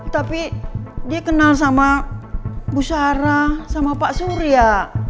tapi dia kenal sama bu sarah sama pak surya